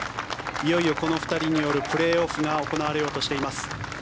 いよいよ、この２人によるプレーオフが行われようとしています。